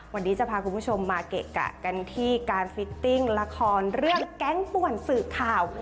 วันนี้จะพาคุณผู้ชมมาเกะกะกันที่การฟิตติ้งละครเรื่องแก๊งป่วนสื่อข่าว